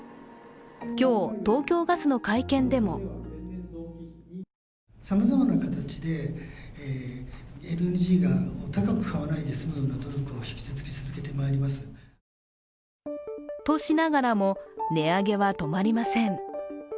今日、東京ガスの会見でもとしながらも、値上げは止まりません。